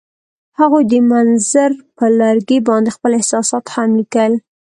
هغوی د منظر پر لرګي باندې خپل احساسات هم لیکل.